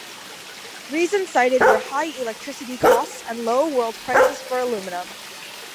Reasons cited were high electricity costs and low world prices for aluminum.